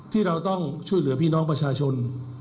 ที่เราต้องช่วยเหลือพี่น้องประชาชน